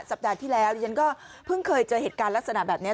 สัปดาห์ที่แล้วดิฉันก็เพิ่งเคยเจอเหตุการณ์ลักษณะแบบนี้